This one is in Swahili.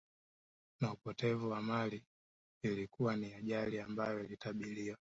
Na upotevu wa mali Ilikuwa ni ajali ambayo ilitabiriwa